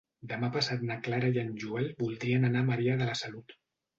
Demà passat na Clara i en Joel voldrien anar a Maria de la Salut.